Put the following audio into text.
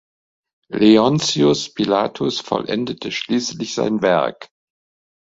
Leontius Pilatus vollendete schließlich sein Werk.